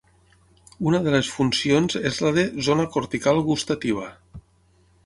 Una de les funcions és la de "zona cortical gustativa".